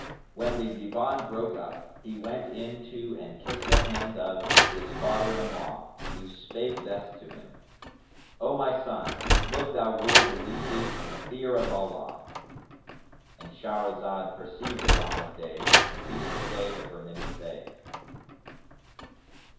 When the Divan broke up, he went in to and kissed the hands of his father in law who spake thus to him, "O my son, look thou rule the lieges in the fear of Allah;"—And Shahrazad perceived the dawn of day and ceased to say her permitted say.